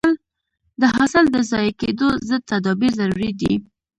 د حاصل د ضایع کېدو ضد تدابیر ضروري دي.